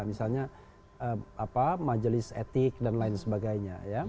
misalnya majelis etik dan lain sebagainya